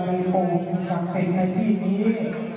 จุดภารกิจสัตว์เท่าไหร่